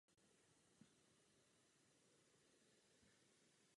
Jde o jednoho z nejmladších členů lodi "Enterprise" a nejmladšího důstojníka na můstku.